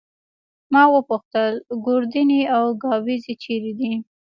ما وپوښتل: ګوردیني او ګاووزي چيري دي؟